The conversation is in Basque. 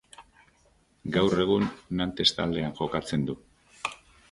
Gaur egun Nantes taldean jokatzen du.